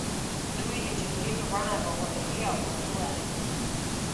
دوی د جرګې په بڼه راغونډوي او موضوع حلوي.